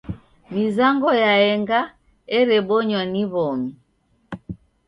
Mizango yaenga erebonywa ni w'omi.